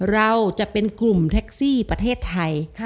เราจะเป็นกลุ่มแท็กซี่ประเทศไทย